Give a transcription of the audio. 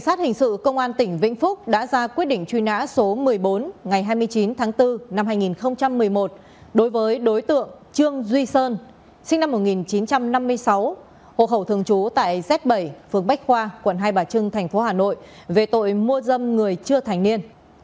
bản tin về tội mua dâm người chưa thành niên